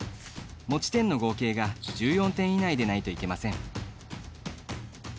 持ち点の合計が１４点以内でないといけません。